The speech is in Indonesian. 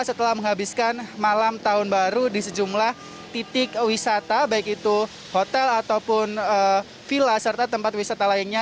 setelah menghabiskan malam tahun baru di sejumlah titik wisata baik itu hotel ataupun villa serta tempat wisata lainnya